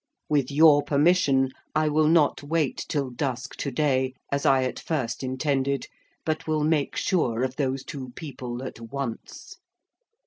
With your permission, I will not wait till dusk to day, as I at first intended, but will make sure of those two people at once.